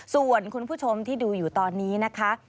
ส่วนคุณผู้ชมที่ดูอยู่ตอนนี้นะคะ